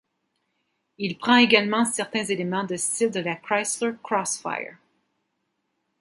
Il prend également certains éléments de style de la Chrysler Crossfire.